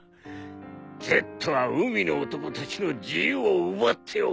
Ｚは海の男たちの自由を奪っておる。